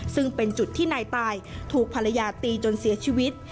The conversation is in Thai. ซึ่งเป็นจุดที่นายตายถูกภรรยาตีจนเสียชีวิต